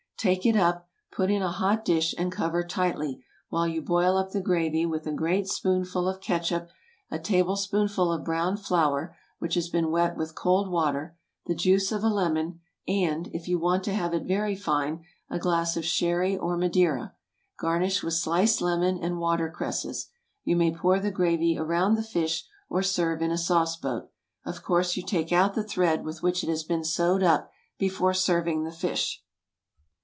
Take it up, put in a hot dish and cover tightly, while you boil up the gravy with a great spoonful of catsup, a tablespoonful of browned flour which has been wet with cold water, the juice of a lemon, and, if you want to have it very fine, a glass of Sherry or Madeira. Garnish with sliced lemon and water cresses. You may pour the gravy around the fish, or serve in a sauce boat. Of course you take out the thread with which it has been sewed up before serving the fish.